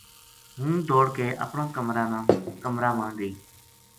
ہوں دوڑ کے اپنا کمرا ما گئی